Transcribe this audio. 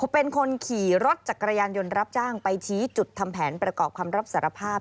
เป็นคนขี่รถจักรยานยนต์รับจ้างไปชี้จุดทำแผนประกอบคำรับสารภาพ